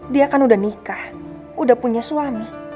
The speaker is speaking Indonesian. dia kan udah nikah udah punya suami